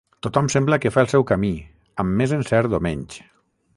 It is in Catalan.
Tothom sembla que fa el seu camí, amb més encert o menys.